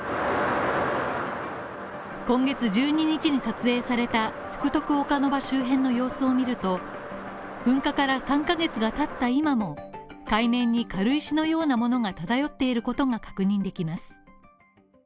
今月１２日に撮影された福徳岡ノ場周辺の様子を見ると噴火から３ヶ月が経った今も、海面に軽石のようなものが漂っていることが確認できます。